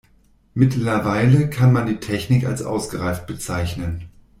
Mittlerweile kann man die Technik als ausgereift bezeichnen.